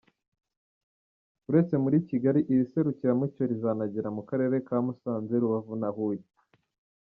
Uretse muri Kigali, iri serukiramuco rizanagera no mu Karere ka Musanze, Rubavu na Huye.